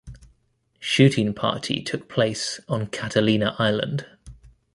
Shooting partly took place on Catalina Island.